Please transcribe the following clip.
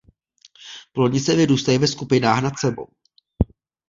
Plodnice vyrůstají ve skupinách nad sebou.